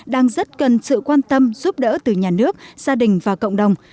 đang rất cần sự quan tâm giúp đỡ từ nhà nước gia đình và cộng đồng